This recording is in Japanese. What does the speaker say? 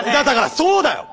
そうだよ！